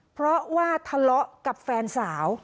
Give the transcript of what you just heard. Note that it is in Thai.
เพราะว่าทะเลาะกับแฟนสาว